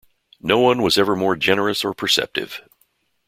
No one was ever more generous or perceptive.